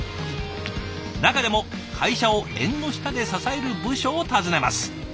中でも会社を縁の下で支える部署を訪ねます。